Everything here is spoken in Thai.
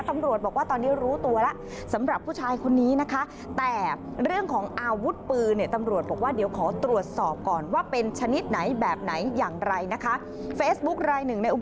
ตำรวจบอกว่าตอนนี้รู้ตัวละสำหรับผู้ชายคนนี้นะคะ